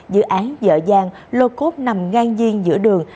dự án dở dàng lô cốt nằm ngang nhiên giữa đường